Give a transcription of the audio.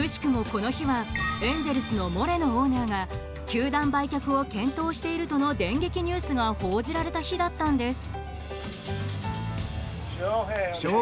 この日はエンゼルスのモレノオーナーが球団売却を検討しているとの電撃ニュースが報じられた日だったんです。